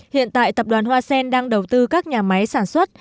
hiện tại tập đoàn hoa sen đang đầu tư các nhà máy sản xuất